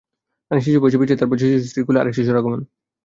মানে শিশু বয়সে বিয়ে, তারপর শিশু স্ত্রীর কোলে আরেক শিশুর আগমন।